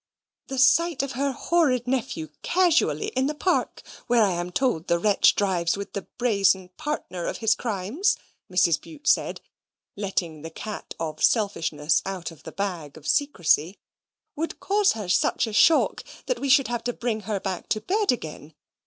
"The sight of her horrid nephew casually in the Park, where I am told the wretch drives with the brazen partner of his crimes," Mrs. Bute said (letting the cat of selfishness out of the bag of secrecy), "would cause her such a shock, that we should have to bring her back to bed again.